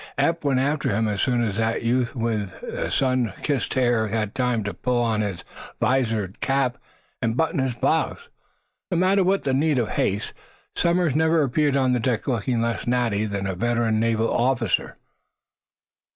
Eph went after him as soon as that youth with the sun kissed hair had time to pull on his visored cap and button his blouse. No matter what the need of haste, Somers never appeared on deck looking less natty than a veteran naval officer.